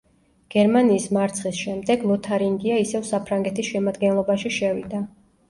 გერმანიის მარცხის შემდეგ ლოთარინგია ისევ საფრანგეთის შემადგენლობაში შევიდა.